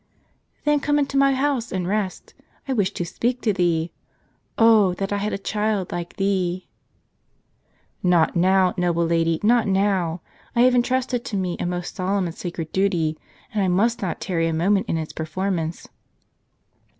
" Then come into my house and rest ; I wish to speak to thee. Oh, that I had a child like thee !"" Not now, noble lady, not now. I have intrusted to me a most solemn and sacred duty, and I must not tarry a moment in its performance."